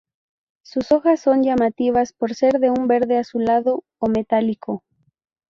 Sus hojas son llamativas por ser de un verde azulado o metálico.